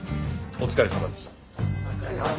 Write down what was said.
お疲れさまでした。